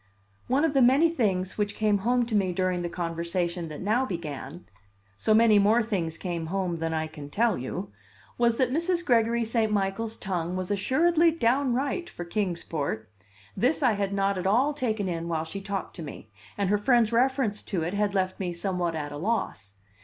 One of the many things which came home to me during the conversation that now began (so many more things came home than I can tell you!) was that Mrs. Gregory St. Michael's tongue was assuredly "downright" for Kings Port. This I had not at all taken in while she talked to me, and her friend's reference to it had left me somewhat at a loss.